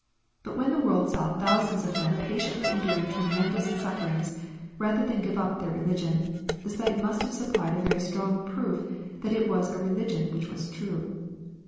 But when the world saw thousands of them patiently en during tremendous sufferings rather than give up their religion, the sight must have supplied a very strong proof that it was a re ligion which was true.